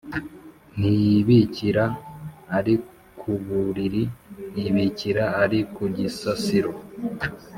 Ntiyibikira ari ku Buriri, yibikira ari ku gisasiro